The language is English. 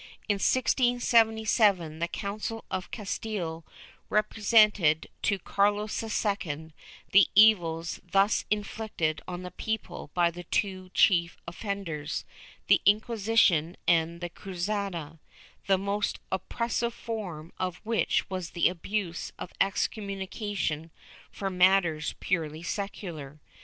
^ In 1677, the Council of Castile repre sented to Carlos II the evils thus inflicted on the people by the two chief offenders, the Inquisition and the Cruzada, the most oppres sive form of which was the abuse of excommunication for matters purely secular.